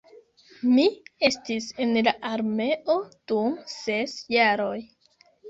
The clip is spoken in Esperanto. Mi estis en la armeo dum ses jaroj